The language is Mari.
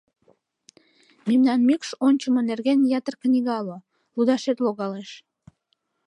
Мемнан м-мӱкш ончымо нерген ятыр книга уло, лудашет логалеш.